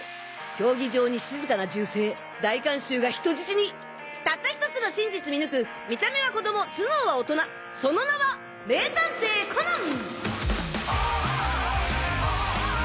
競技場に静かな銃声大観衆が人質にたった１つの真実見抜く見た目は子供頭脳は大人その名は名探偵コナン！